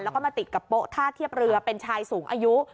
แล้วก็มาติดกับโป๊ท่าเทียบเรือเป็นชายสูงอายุ